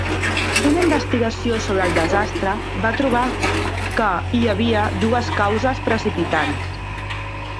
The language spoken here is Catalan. Una investigació sobre el desastre va trobar que hi havia dues causes precipitants.